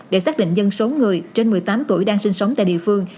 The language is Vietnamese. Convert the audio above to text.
để xác định dân số người trên một mươi tám tuổi đang sinh sống tại địa phương